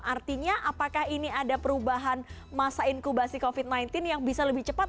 artinya apakah ini ada perubahan masa inkubasi covid sembilan belas yang bisa lebih cepat